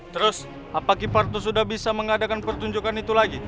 terus apakah sudah bisa mengadakan pertunjukan itu lagi